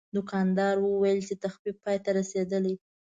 دوکاندار وویل چې تخفیف پای ته رسیدلی.